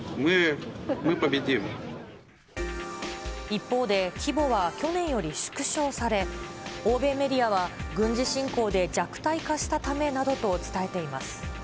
一方で規模は去年より縮小され、欧米メディアは、軍事侵攻で弱体化したためなどと伝えています。